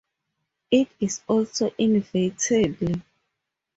It is also invertible.